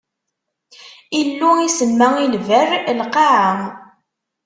Illu isemma i lberr: lqaɛa.